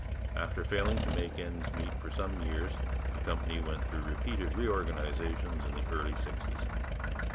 After failing to make ends meet for some years the company went through repeated reorganizations in the early sixties.